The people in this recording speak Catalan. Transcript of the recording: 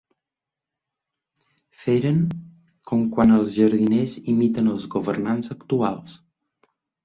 Feren com quan els jardiners imiten els governants actuals.